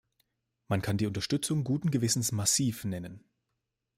Man kann die Unterstützung guten Gewissens massiv nennen.